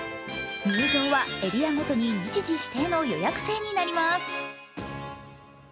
入場はエリアごとに日時指定の予約制になります。